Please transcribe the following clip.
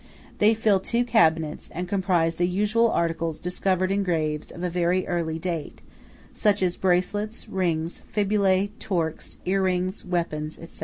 They fill two cabinets, and comprise the usual articles discovered in graves of a very early date, such as bracelets, rings, fibulæ, torques, ear rings, weapons, &c.